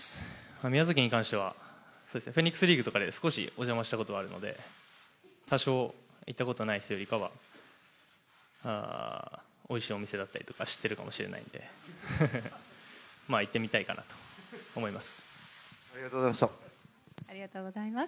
宮崎に関しては、フェニックスリーグとかで少しお邪魔したことがあるので多少、行ったことがない人よりかはおいしいお店だったりとか知っているかもしれないので、行ってみたいかなと思います。